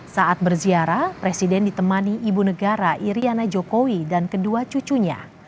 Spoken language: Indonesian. saat berziarah presiden ditemani ibu negara iryana jokowi dan kedua cucunya